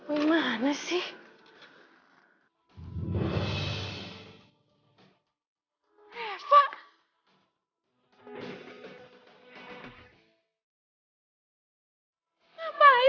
amat perlu lupa lihat